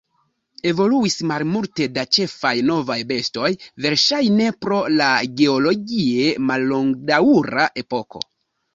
Evoluis malmulte da ĉefaj novaj bestoj, verŝajne pro la geologie mallongdaŭra epoko.